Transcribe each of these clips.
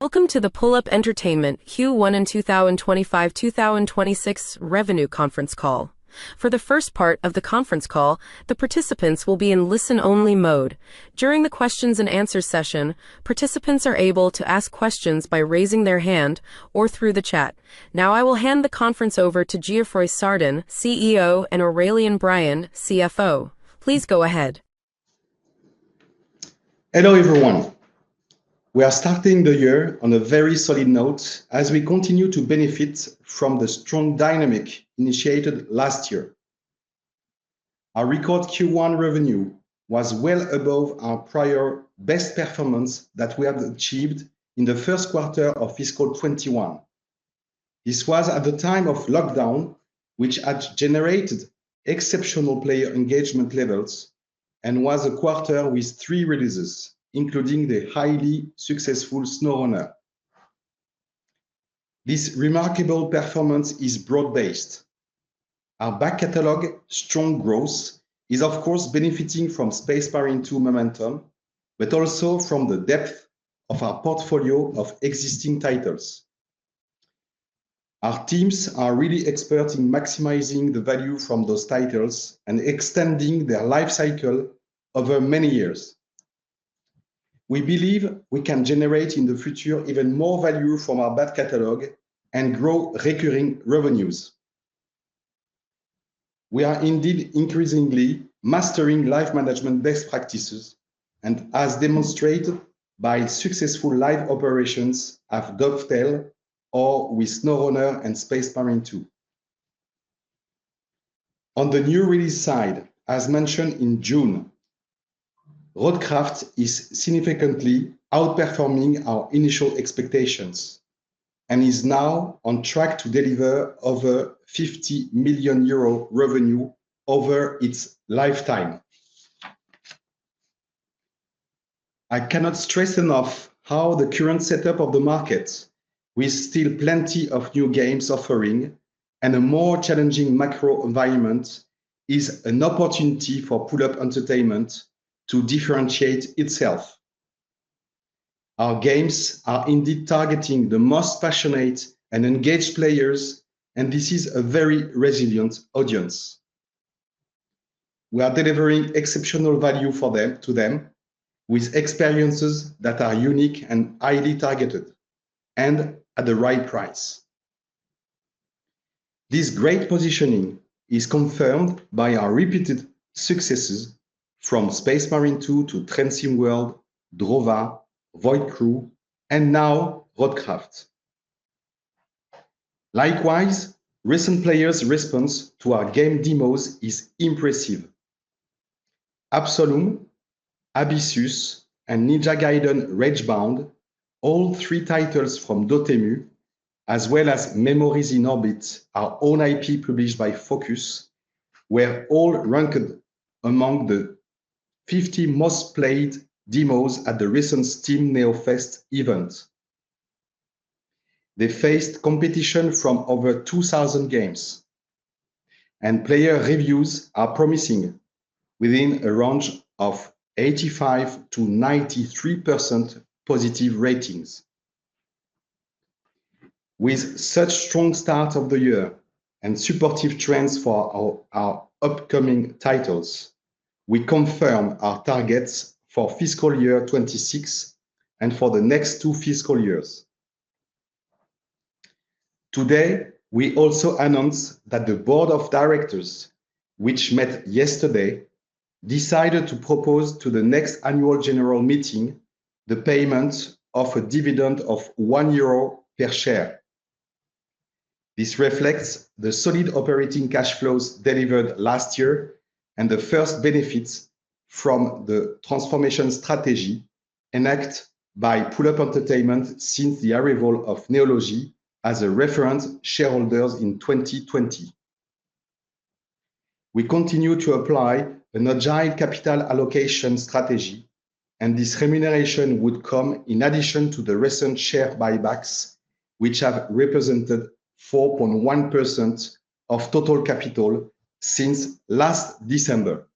Welcome to the PULLUP Entertainment Q1 and 2025-2026 revenue conference call. For the first part of the conference call, the participants will be in listen-only mode. During the questions-and-answers session, participants are able to ask questions by raising their hand or through the chat. Now, I will hand the conference over to Geoffroy Sardin, CEO, and Aurélien Briand, CFO. Please go ahead. Hello everyone. We are starting the year on a very solid note as we continue to benefit from the strong dynamic initiated last year. Our record Q1 revenue was well above our prior best performance that we have achieved in the first quarter of fiscal 2021. This was at the time of lockdown, which had generated exceptional player engagement levels and was a quarter with three releases, including the highly successful SnowRunner. This remarkable performance is broad-based. Our back catalog, strong growth, is of course benefiting from Space Marine 2 momentum, but also from the depth of our portfolio of existing titles. Our teams are really expert in maximizing the value from those titles and extending their life cycle over many years. We believe we can generate in the future even more value from our back catalog and grow recurring revenues. We are indeed increasingly mastering live management best practices and, as demonstrated by successful live operations of Dovetail or with SnowRunner and Space Marine 2. On the new release side, as mentioned in June, RoadCraft is significantly outperforming our initial expectations and is now on track to deliver over 50 million euro revenue over its lifetime. I cannot stress enough how the current setup of the market, with still plenty of new games offering and a more challenging macro environment, is an opportunity for PULLUP Entertainment to differentiate itself. Our games are indeed targeting the most passionate and engaged players, and this is a very resilient audience. We are delivering exceptional value to them with experiences that are unique and highly targeted and at the right price. This great positioning is confirmed by our repeated successes from Space Marine 2 to Transient World, Drova, Void Crew, and now RoadCraft. Likewise, recent players' response to our game demos is impressive. Absolom, Abyssus, and Ninja Gaiden: Ragebound, all three titles from Dotemu, as well as Memories in Orbit, our own IP published by Focus, were all ranked among the 50 most played demos at the recent Steam Next Fest event. They faced competition from over 2,000 games, and player reviews are promising within a range of 85%-93% positive ratings. With such a strong start of the year and supportive trends for our upcoming titles, we confirm our targets for fiscal year 2026 and for the next two fiscal years. Today, we also announced that the Board of Directors, which met yesterday, decided to propose to the next annual general meeting the payment of a dividend of 1 euro per share. This reflects the solid operating cash flows delivered last year and the first benefits from the transformation strategy enacted by PULLUP Entertainment since the arrival of Neology as a reference shareholder in 2020. We continue to apply an agile capital allocation strategy, and this remuneration would come in addition to the recent share buybacks, which have represented 4.1% of total capital since last December.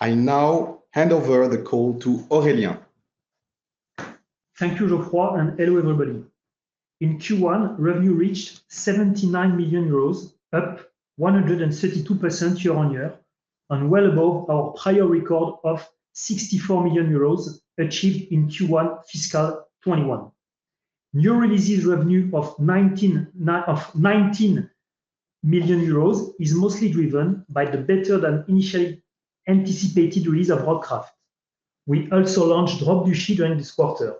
I now hand over the call to Aurélien. Thank you, Geoffroy, and hello everybody. In Q1, revenue reached 79 million euros, up 132% year on year, and well above our higher record of 64 million euros achieved in Q1 fiscal 2021. New releases revenue of 19 million euros is mostly driven by the better than initially anticipated release of RoadCraft. We also launched Drop Duchy during this quarter.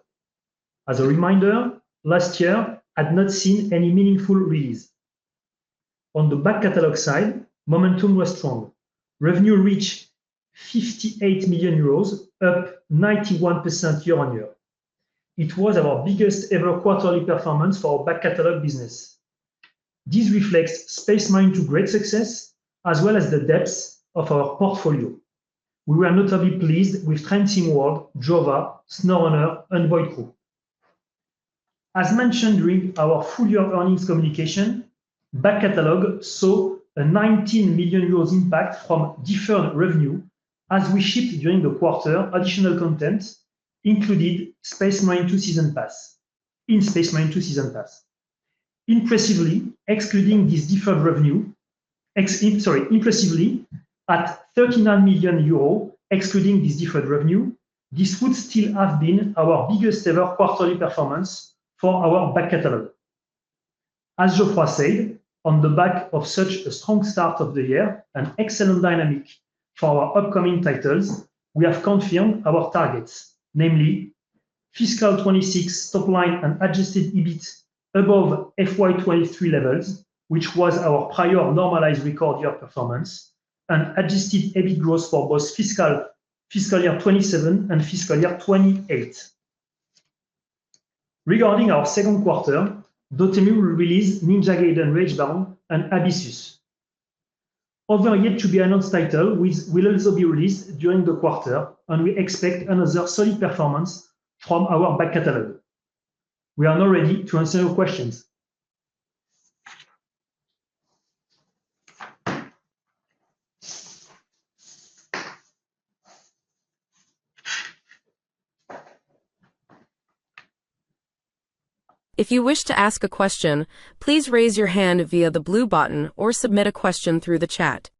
As a reminder, last year had not seen any meaningful release. On the back catalog side, momentum was strong. Revenue reached 58 million euros, up 91% year on year. It was our biggest ever quarterly performance for our back catalog business. This reflects Space Marine 2's great success, as well as the depth of our portfolio. We were notably pleased with Transient World, Drova, SnowRunner, and Void Crew. As mentioned during our full-year earnings communication, back catalog saw a 19 million euros impact from deferred revenue as we shipped during the quarter additional contents, including Space Marine 2 Season Pass. Impressively, at 39 million euros, excluding this deferred revenue, this would still have been our biggest ever quarterly performance for our back catalog. As Geoffroy said, on the back of such a strong start of the year and excellent dynamic for our upcoming titles, we have confirmed our targets, namely fiscal 2026 top line and adjusted EBIT above FY2023 levels, which was our prior normalized record year performance, and adjusted EBIT growth for both fiscal year 2027 and fiscal year 2028. Regarding our second quarter, Dotemu will release Ninja Gaiden: RageBound and Abyssus. Other yet to be announced titles will also be released during the quarter, and we expect another solid performance from our back catalog. We are now ready to answer your questions. If you wish to ask a question, please raise your hand via the blue button or submit a question through the chat.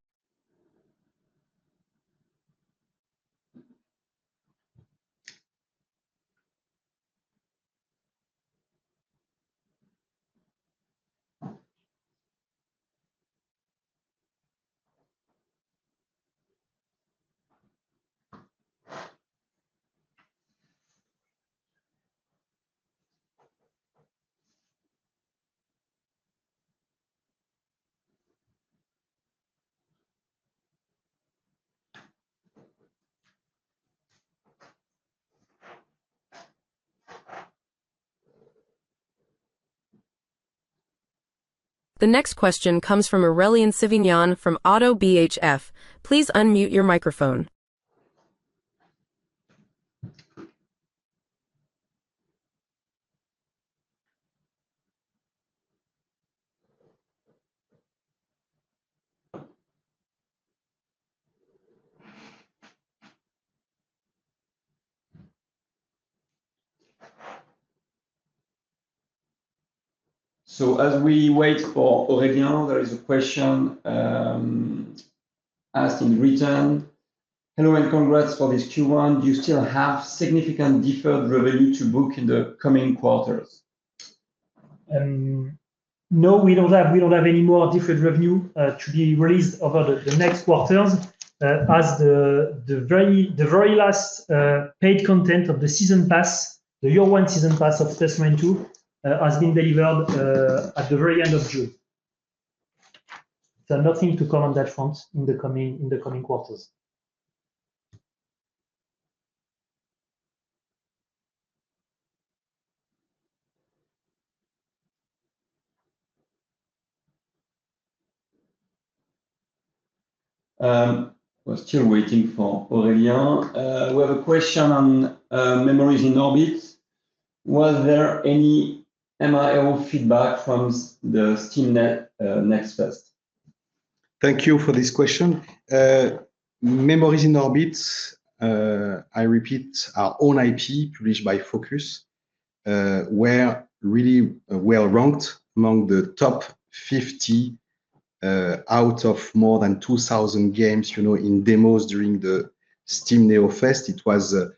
The next question comes from Aurélien Sivignon from ODDO BHF. Please unmute your microphone. As we wait for Aurélien, there is a question asked in return. Hello, and congrats for this Q1. Do you still have significant deferred revenue to book in the coming quarters? No, we don't have any more deferred revenue to be released over the next quarters. As the very last paid content of the Season Pass, the Year One Season Pass of Space Marine 2, has been delivered at the very end of June, nothing to comment on that front in the coming quarters. We're still waiting for Aurélien. We have a question on Memories in Orbit. Was there any MRO feedback from the Steam Next Fest? Thank you for this question. Memories in Orbit, I repeat, our own IP published by Focus, were really well ranked among the top 50 out of more than 2,000 games in demos during the Steam Next Fest. It was an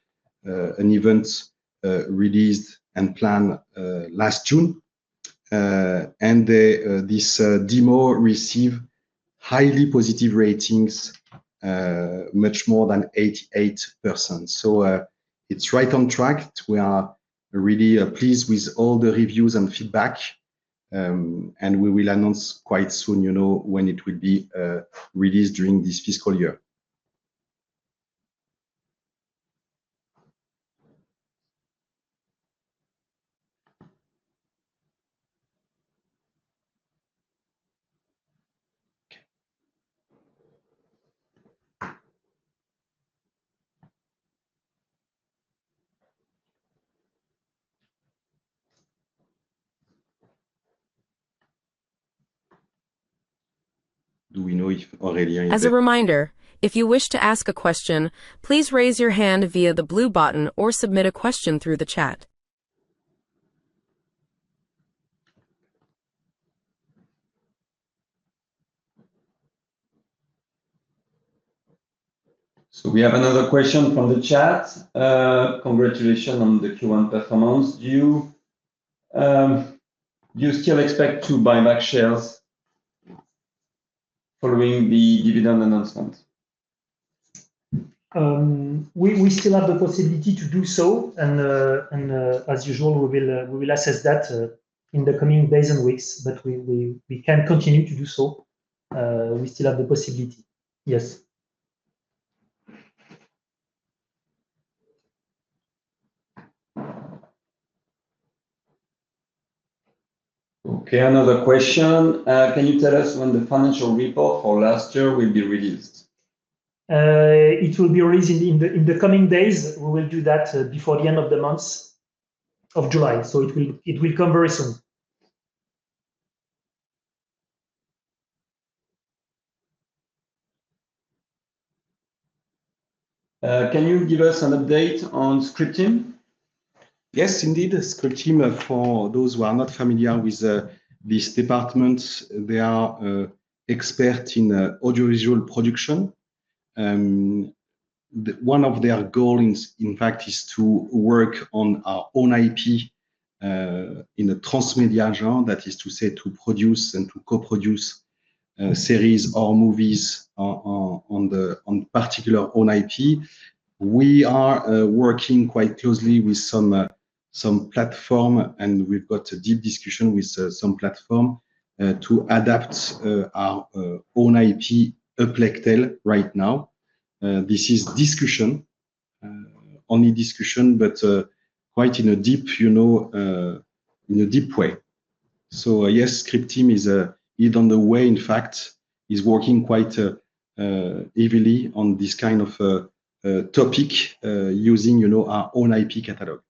event released and planned last June. This demo received highly positive ratings, much more than 88%. It's right on track. We are really pleased with all the reviews and feedback. We will announce quite soon when it will be released during this fiscal year. Do we know if Aurélien... As a reminder, if you wish to ask a question, please raise your hand via the blue button or submit a question through the chat. We have another question from the chat. Congratulations on the Q1 performance. Do you still expect to buy back shares following the dividend announcement? We still have the possibility to do so. As usual, we will assess that in the coming days and weeks, but we can continue to do so. We still have the possibility. Yes. Okay, another question. Can you tell us when the financial report for last year will be released? It will be released in the coming days. We will do that before the end of the month of July. It will come very soon. Can you give us an update on Scripting? Yes, indeed. Scripting, for those who are not familiar with these departments, they are experts in audiovisual production. One of their goals, in fact, is to work on our own IP in a transmedia genre. That is to say, to produce and to co-produce series or movies on a particular own IP. We are working quite closely with some platforms, and we've got a deep discussion with some platforms to adapt our own IP up like hell right now. This is discussion, only discussion, but quite in a deep, you know, in a deep way. Yes, Scripting is either on the way. In fact, it's working quite heavily on this kind of topic using, you know, our own IP catalog.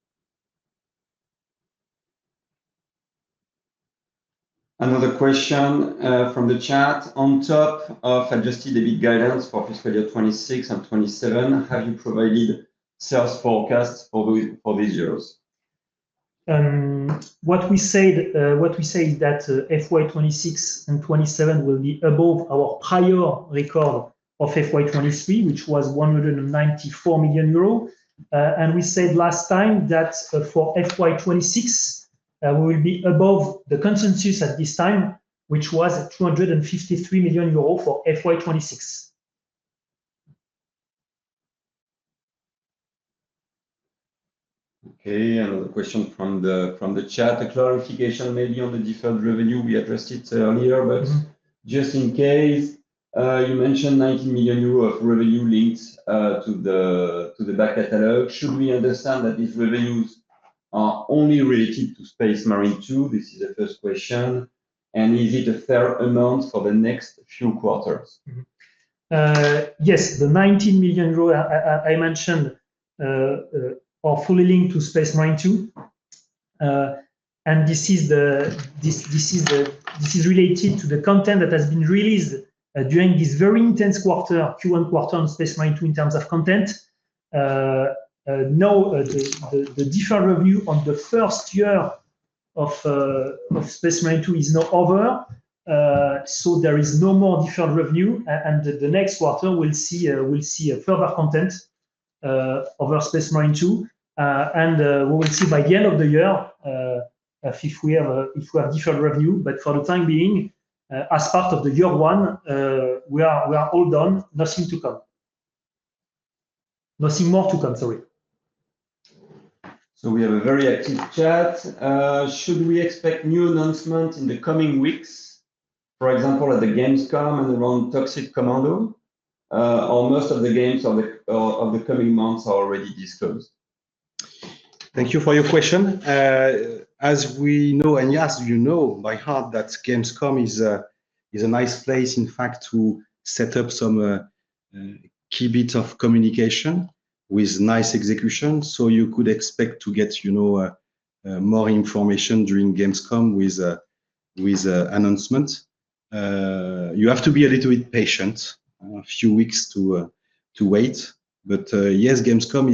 Another question from the chat. On top of adjusted EBIT guidance for fiscal year 2026 and 2027, have you provided sales forecasts for those years? What we say is that FY2026 and 2027 will be above our prior record of FY2023, which was 194 million euro. We said last time that for FY2026, we will be above the consensus at this time, which was 253 million euros for FY2026. Okay, another question from the chat. A clarification maybe on the deferred revenue. We addressed it earlier, but just in case, you mentioned 19 million euro of revenue linked to the back catalog. Should we understand that these revenues are only related to Space Marine 2? This is the first question. Is it a fair amount for the next few quarters? Yes, the 19 million euros I mentioned are fully linked to Space Marine 2. This is related to the content that has been released during this very intense Q1 quarter on Space Marine 2 in terms of content. The deferred revenue on the first year of Space Marine 2 is now over. There is no more deferred revenue. The next quarter will see further content over Space Marine 2. We will see by the end of the year if we have deferred revenue. For the time being, as part of the year one, we are all done. Nothing more to come, sorry. We have a very active chat. Should we expect new announcements in the coming weeks? For example, at Gamescom and around Toxic Commando, or are most of the games of the coming months already disclosed? Thank you for your question. As we know, and yes, you know by heart that Gamescom is a nice place, in fact, to set up some key bits of communication with nice execution. You could expect to get more information during Gamescom with announcements. You have to be a little bit patient, a few weeks to wait. Gamescom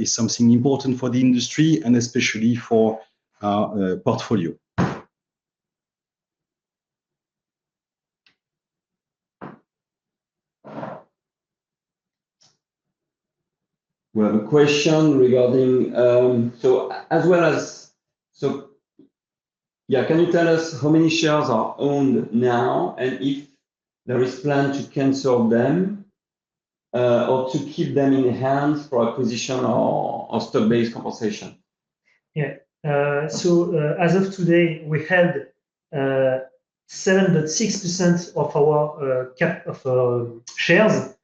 is something important for the industry and especially for our portfolio. We have a question regarding, can you tell us how many shares are owned now and if there is a plan to cancel them or to keep them in hands for acquisition or stock-based compensation? Yeah, as of today, we held 7.6% of our shares.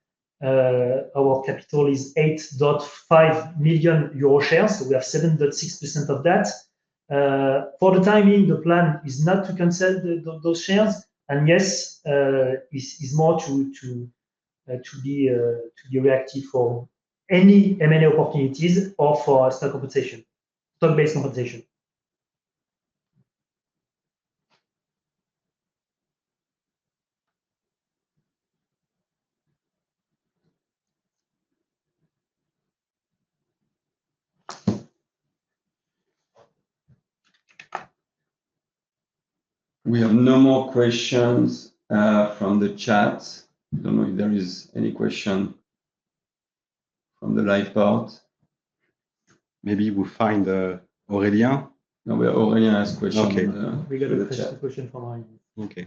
Our capital is 8.5 million euro shares. We have 7.6% of that. For the time being, the plan is not to cancel those shares. Yes, it's more to be reactive for any M&A opportunities or for stock-based compensation. We have no more questions from the chat. I don't know if there is any question from the live part. Maybe we'll find Aurélien. Aurélien has a question. Okay, we got a question from our...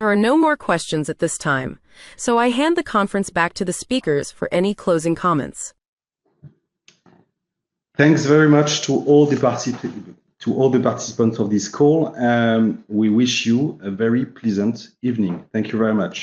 There are no more questions at this time. I hand the conference back to the speakers for any closing comments. Thanks very much to all the participants of this call. We wish you a very pleasant evening. Thank you very much.